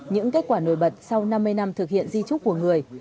những kết quả nổi bật sau năm mươi năm thực hiện di trúc của người